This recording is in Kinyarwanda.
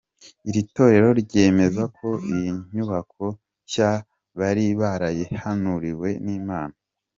Iri torero ryemeza ko iyi nyubako nshya bari barayihanuriwe n’Imana.